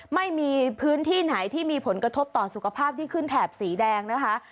ไม่มีพื้นที่ไหนที่มีผลกระทบต่อสุขภาพที่ขึ้นแถบสีแดงนะคะ